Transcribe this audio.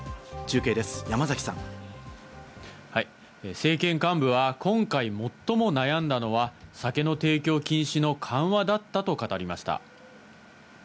政権幹部は今回、最も悩んだのは酒の提供禁止の緩和だったと語りました。